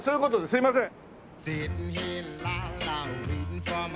すみません。